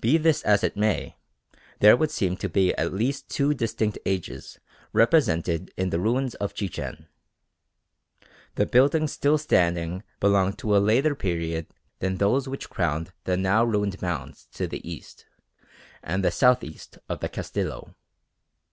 Be this as it may, there would seem to be at least two distinct ages represented in the ruins of Chichen. The buildings still standing belong to a later period than those which crowned the now ruined mounds to the east and the south east of the Castillo.